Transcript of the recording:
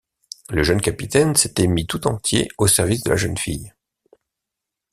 Le jeune capitaine s’était mis tout entier au service de la jeune fille.